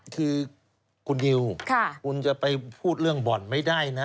คือคุณนิวคุณจะไปพูดเรื่องบ่อนไม่ได้นะ